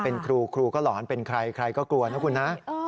เป็นครูครูก็หลอนเป็นใครใครก็กลัวนะคุณนะ